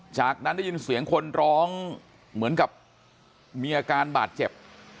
จากนั้นได้ยินเสียงคนร้องเหมือนกับมีอาการบาดเจ็บ